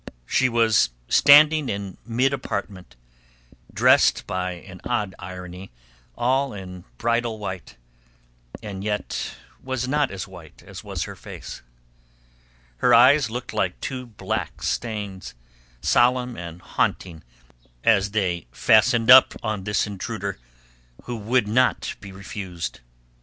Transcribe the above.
She was standing in mid apartment, dressed by an odd irony all in bridal white, that yet was not as white as was her face. Her eyes looked like two black stains, solemn and haunting as they fastened up on this intruder who would not be refused.